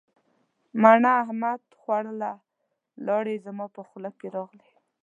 مڼه احمد خوړله لیاړې زما په خوله کې راغللې.